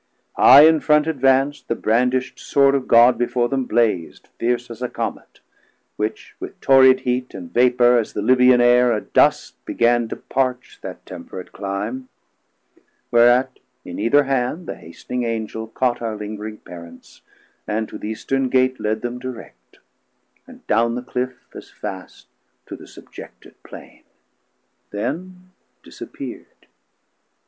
High in Front advanc't, The brandisht Sword of God before them blaz'd Fierce as a Comet; which with torrid heat, And vapour as the Libyan Air adust, Began to parch that temperate Clime; whereat In either hand the hastning Angel caught Our lingring Parents, and to th' Eastern Gate Let them direct, and down the Cliff as fast To the subjected Plaine; then disappeer'd.